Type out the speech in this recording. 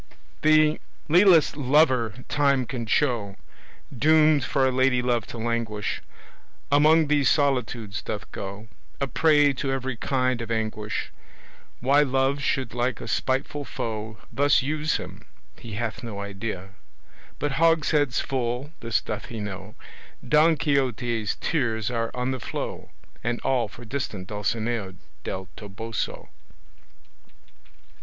The lealest lover time can show, Doomed for a lady love to languish, Among these solitudes doth go, A prey to every kind of anguish. Why Love should like a spiteful foe Thus use him, he hath no idea, But hogsheads full this doth he know Don Quixote's tears are on the flow, And all for distant Dulcinea Del Toboso.